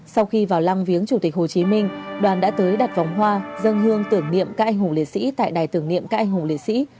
sau khi vào lăng viếng chủ tịch hồ chí minh đoàn đã tới đặt vòng hoa dân hương tưởng niệm các anh hùng liệt sĩ tại đài tưởng niệm các anh hùng liệt sĩ